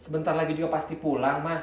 sebentar lagi juga pasti pulang mah